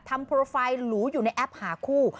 ทำแปลงปฏิบัติหลูอยู่ในแอพหาคู่